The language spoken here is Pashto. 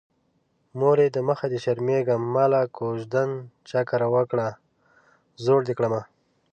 مورې د مخه دې شرمېږم ماله کوژدن چا کره وکړه زوړ دې کړمه